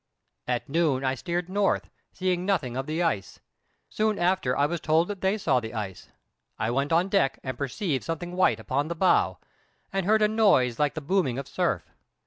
At noon I steered north, seeing nothing of the ice; soon after I was told that they saw the ice: I went upon deck and perceived something white upon the bow, and heard a noise like the booming of surf.